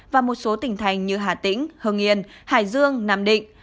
và một số tỉnh thành như hà tĩnh hương yên hải dương nam định